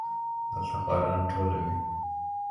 دلته خواران ټوله وي